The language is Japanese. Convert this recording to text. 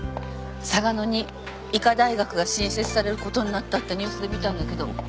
嵯峨野に医科大学が新設されることになったってニュースで見たんだけど。